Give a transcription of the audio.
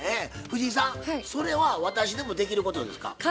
藤井さんそれは私でもできることですか？